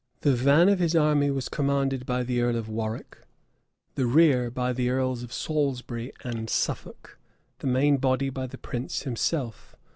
The van of his army was commanded by the earl of Warwick, the rear by the earls of Salisbury and Suffolk, the main body by the prince himself.